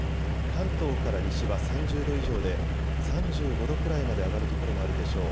関東から西は３０度以上で３５度くらいまで上がる所もあるでしょう。